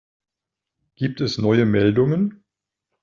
Gibt es neue Meldungen?